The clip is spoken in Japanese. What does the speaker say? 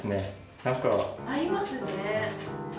合いますね。